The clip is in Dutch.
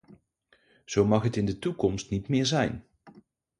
Zo mag het in de toekomst niet meer zijn!